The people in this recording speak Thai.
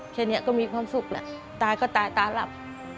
แค่นี้ก็มีความสุขแหละตายก็ตายตาหลับ